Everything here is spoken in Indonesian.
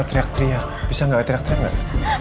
apa teriak teriak bisa gak teriak teriak gak